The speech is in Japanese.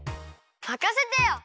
まかせてよ！